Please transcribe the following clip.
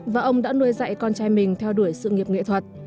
và ông đã nuôi dạy con trai mình theo đuổi sự nghiệp nghệ thuật